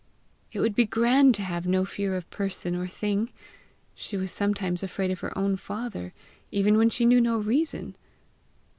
It would be grand to have no fear of person or thing! She was sometimes afraid of her own father, even when she knew no reason!